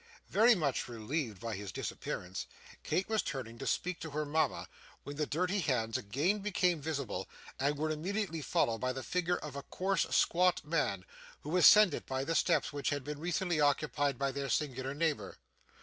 Very much relieved by his disappearance, Kate was turning to speak to her mama, when the dirty hands again became visible, and were immediately followed by the figure of a coarse squat man, who ascended by the steps which had been recently occupied by their singular neighbour.